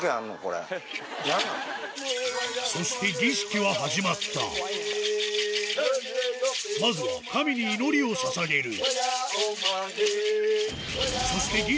そしてまずは神に祈りをささげるそして何？